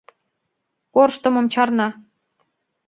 Корштымым чарна...